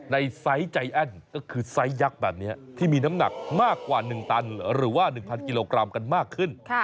ไซส์ใจแอ้นก็คือไซส์ยักษ์แบบนี้ที่มีน้ำหนักมากกว่า๑ตันหรือว่า๑๐๐กิโลกรัมกันมากขึ้น